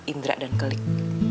indra dan kelik